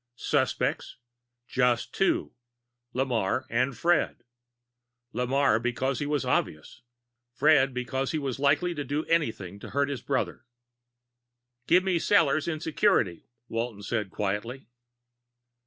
Suspects? Just two Lamarre, and Fred. Lamarre because he was obvious; Fred because he was likely to do anything to hurt his brother. "Give me Sellors in security," Walton said quietly.